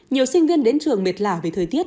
nhiều sinh viên đến trường mệt lả về thời tiết